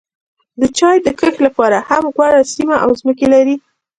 د چای د کښت لپاره هم غوره سیمې او ځمکې لري.